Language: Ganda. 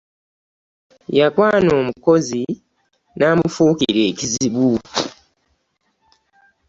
Yakwana omukozi n'amufuukira ekizibu.